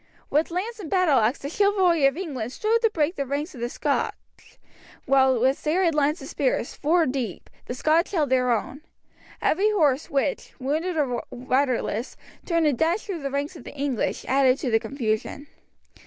With lance and battleaxe the chivalry of England strove to break the ranks of the Scotch, while with serried lines of spears, four deep, the Scotch held their own. Every horse which, wounded or riderless, turned and dashed through the ranks of the English, added to the confusion.